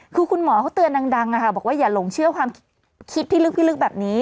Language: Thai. คือคุณหมอเขาเตือนดังบอกว่าอย่าหลงเชื่อความคิดพิลึกพิลึกแบบนี้